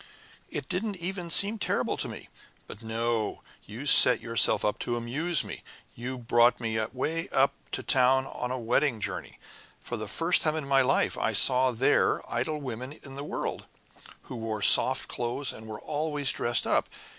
It didn't even seem terrible to me. But no you set yourself to amuse me. You brought me way up to town on a wedding journey. For the first time in my life I saw there idle women in the world, who wore soft clothes and were always dressed up.